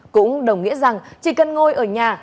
cũng đồng nghĩa rằng chỉ cần ngồi ở nhà